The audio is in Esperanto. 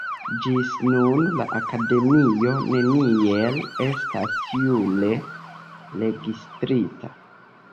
Ĝis nun la Akademio neniel estas jure registrita.